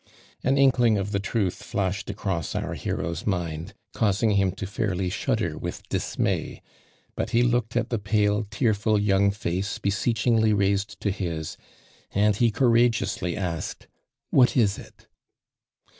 An inkling of the truth fla.«hed across our hero's mind, causing him to fairly shudder with dismay, but he looked at the pale tearful young face beseechingly raised to his, and he courageously asked :" What is it?"